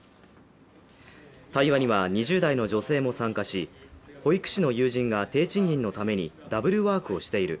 対話には２０代の女性も参加し保育士の友人が低賃金のためにダブルワークをしている。